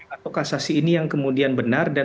atau kasasi ini yang kemudian benar dan